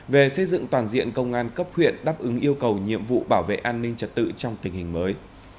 về xây dựng toàn diện công an cấp huyện đáp ứng yêu cầu nhiệm vụ bảo vệ an ninh trật tự trong tình hình mới